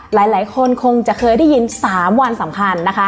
หลายคนคงจะเคยได้ยิน๓วันสำคัญนะคะ